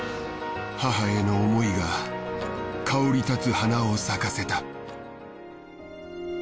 母への思いが香り立つ花を咲かせた。